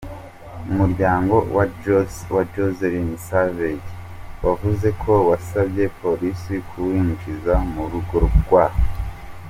Umuryango wa Joycelyn Savage wavuze ko wasabye polisi kuwinjiza mu rugo rwa R.